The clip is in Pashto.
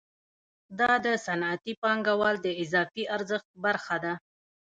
دا د صنعتي پانګوال د اضافي ارزښت برخه ده